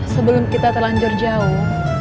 sebelum kita terlanjur jauh